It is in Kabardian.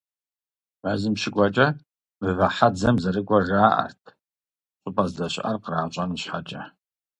Мэзым щыкӀуэкӀэ, «Мывэ хьэдзэм» зэрыкӀуэр жаӀэрт, щӀыпӀэ здэщыӀэр къращӀэн щхьэкӀэ.